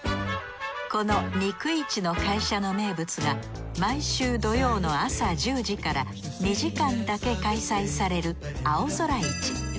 このにくいちの会社の名物が毎週土曜の朝１０時から２時間だけ開催される青空市。